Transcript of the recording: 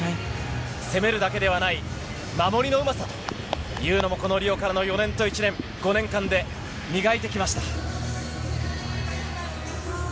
攻めるだけではない、守りのうまさというのも、このリオからの４年と１年、５年間で磨いてきました。